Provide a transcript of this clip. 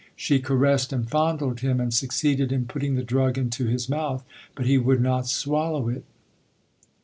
She caressed and fondled him and succeeded in putting the drug into his mouth, but he would not swallow it.